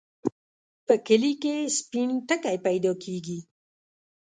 په کلي کې سپين ټکی پیدا کېږي.